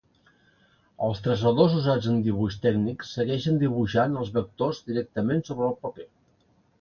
Els traçadors usats en dibuix tècnic segueixen dibuixant els vectors directament sobre el paper.